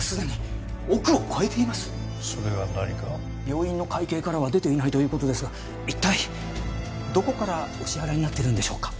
病院の会計からは出ていないという事ですが一体どこからお支払いになっているんでしょうか？